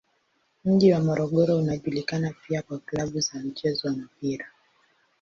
Mji wa Morogoro unajulikana pia kwa klabu za mchezo wa mpira.